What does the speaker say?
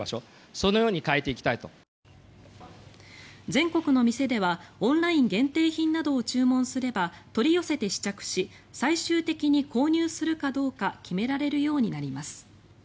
全国の店ではオンライン限定品などを注文すれば取り寄せて試着し最終的に購入するかどうか決められるようになります。